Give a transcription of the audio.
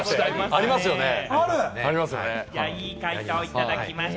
いい解答いただきました。